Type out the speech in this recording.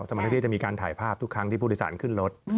สถานที่จะมีการถ่ายภาพทุกครั้งที่ผู้โดยสารขึ้นรถ